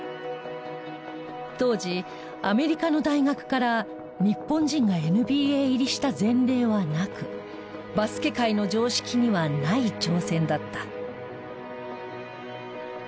当時アメリカの大学から日本人がＮＢＡ入りした前例はなくバスケ界の常識にはない挑戦だった。